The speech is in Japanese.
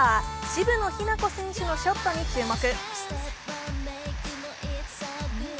渋野日向子選手のショットに注目。